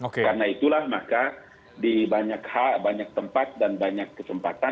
karena itulah maka di banyak hak banyak tempat dan banyak kesempatan